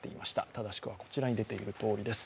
正しくは、こちらに出ているとおりです。